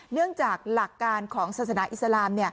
เนื่องจากหลักการของศาสนาอิสลาม